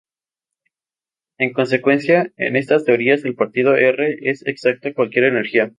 En consecuencia, en estas teorías la paridad R es exacta a cualquier energía.